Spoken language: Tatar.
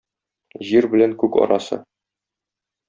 Җир белән күк арасы.